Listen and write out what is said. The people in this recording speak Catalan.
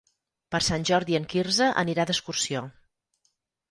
Per Sant Jordi en Quirze anirà d'excursió.